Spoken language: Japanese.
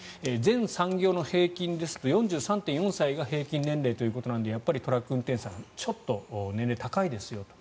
全産業の平均ですと４３．４歳が平均年齢ということなのでやっぱりトラック運転手さんはちょっと年齢が高いと。